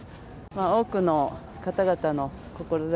多くの方々の志、